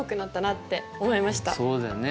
そうだよね。